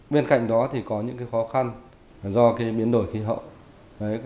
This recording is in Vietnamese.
bên cạnh đó thì có những cái khó khăn do cái biến đổi khí hậu